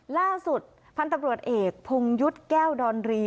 ล่าสุดพันธุ์ตำรวจเอกพงยุทธ์แก้วดอนรี